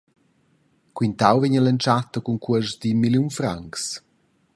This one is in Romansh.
Quintau vegn alla entschatta cun cuosts dad in miez milliun francs.